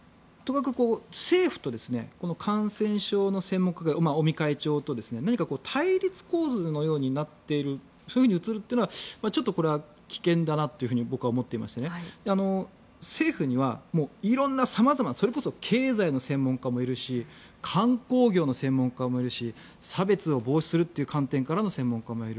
政府と感染症の専門家が尾身会長と何か対立構図のようになっているそういうふうに映るというのはちょっとこれは危険だなと僕は思っていまして政府には色んな様々それこそ経済の専門家いるし観光業の専門家もいるし差別を防止するという観点からの専門家もいる。